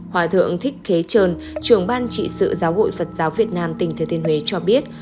hòa thượng thích kế trơn trưởng ban trị sự giáo hội phật giáo việt nam tỉnh thừa thiên huế cho biết